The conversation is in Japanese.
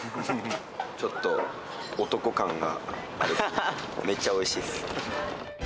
ちょっと男感があるので、めっちゃおいしいっす。